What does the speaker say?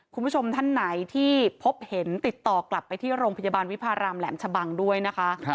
คุณผู้ชมท่านไหนที่พบเห็นติดต่อกลับไปที่โรงพยาบาลวิพารามแหลมชะบังด้วยนะคะ